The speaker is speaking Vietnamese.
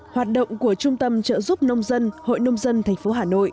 hoạt động của trung tâm trợ giúp nông dân hội nông dân tp hcm